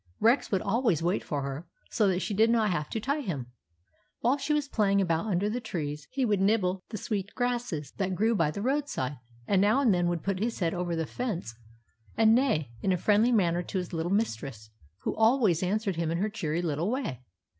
Rex would always wait for her, so that she did not have to tie him. While she was playing about under the trees, he would nibble the sweet grasses that grew by the roadside, and now and then would put his head over the fence and neigh in a friendly manner to his little mistress, who always answered him in her cheery little way.